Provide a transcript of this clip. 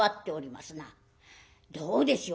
どうでしょう？